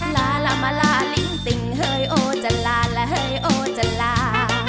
ลาลามาลาลิงติ่งเฮยโอจันลาและเฮยโอจันลา